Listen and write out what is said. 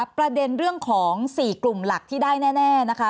ประเด็นเรื่องของ๔กลุ่มหลักที่ได้แน่นะคะ